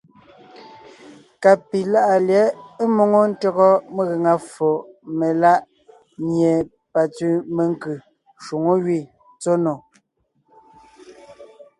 Ka pi láʼa lyɛ̌ʼ ḿmoŋo ntÿɔgɔ megaŋa ffo melaʼ mie pantsẅi menkʉ́ shwoŋó gẅí tsɔ́ nò.